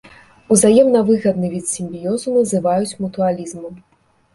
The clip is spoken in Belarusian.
Узаемна выгадны від сімбіёзу называюць мутуалізмам.